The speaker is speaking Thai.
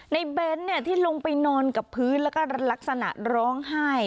เบนท์ที่ลงไปนอนกับพื้นแล้วก็ลักษณะร้องไห้